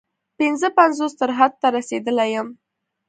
پنځه پنځوس تر حد ته رسېدلی یم.